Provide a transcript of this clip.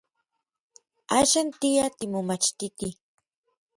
Axan tia timomachtiti.